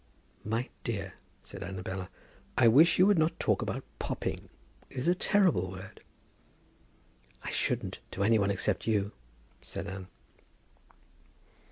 "My dear," said Annabella, "I wish you would not talk about popping. It is a terrible word." "I shouldn't, to any one except you," said Anne.